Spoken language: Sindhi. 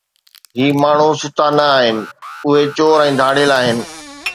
هي ماڻهو سٺا نه آهن، اهي چور ۽ ڌاڙيل آهن.